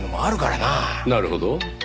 なるほど。